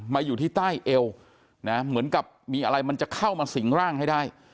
อยู่ที่ใต้เอวนะเหมือนกับมีอะไรมันจะเข้ามาสิงร่างให้ได้